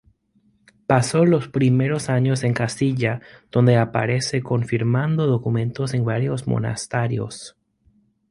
Pasó los primeros años en Castilla donde aparece confirmando documentos en varios monasterios.